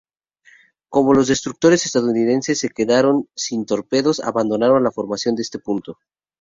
Como los destructores estadounidenses se quedaron sin torpedos, abandonaron la formación en este punto.